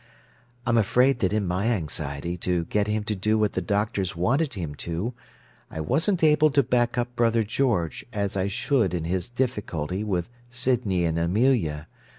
I'm afraid that in my anxiety to get him to do what the doctors wanted him to, I wasn't able to back up brother George as I should in his difficulty with Sydney and Amelia.